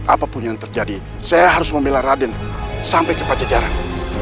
apapun yang terjadi saya harus membela raden sampai ke pajajaran